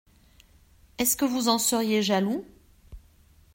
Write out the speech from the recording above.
Est-ce que vous en seriez jaloux ?